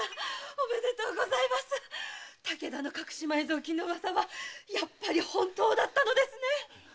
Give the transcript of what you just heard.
武田の隠し埋蔵金の噂はやっぱり本当だったのですね！